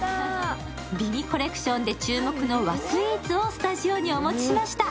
美味コレクションで注目の和スイーツをスタジオにお持ちしました。